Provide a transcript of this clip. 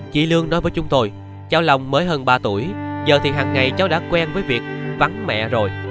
chị lương nói với chúng tôi cháu lòng mới hơn ba tuổi giờ thì hằng ngày cháu đã quen với việc vắng mẹ rồi